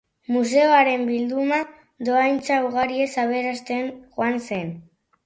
Museoaren bilduma, dohaintza ugariez aberasten joan zen.